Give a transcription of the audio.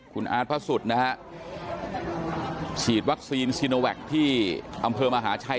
คุณอาร์ตพระสุทธิ์นะฮะฉีดวัคซีนซีโนแวคที่อำเภอมหาชัย